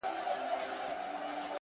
نو ستا د لوړ قامت. کوچنی تشبه ساز نه يم.